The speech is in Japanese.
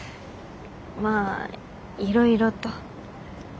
まあいろいろと。